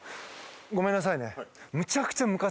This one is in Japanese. ごめんなさいね。